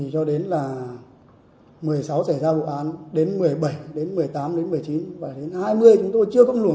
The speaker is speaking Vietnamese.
cho đến là một mươi sáu xảy ra vụ án đến một mươi bảy đến một mươi tám đến một mươi chín và đến hai mươi chúng tôi chưa có luồng